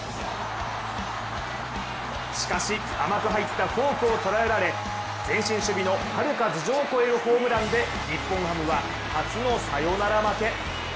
しかし甘く入ったフォークを捉えられ前進守備のはるか頭上を越えるホームランで日本ハムは初のサヨナラ負け。